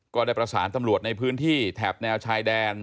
ก็ได้ประสานตำรวจในพื้นที่แถบแนวชายแดน